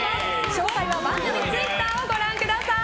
詳細は、番組ツイッターをご覧ください。